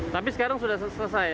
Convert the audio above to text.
tapi sekarang sudah selesai